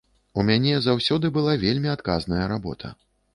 У мяне заўсёды была вельмі адказная работа.